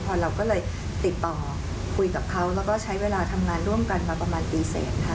พอเราก็เลยติดต่อคุยกับเขาแล้วก็ใช้เวลาทำงานร่วมกันมาประมาณปีเสร็จค่ะ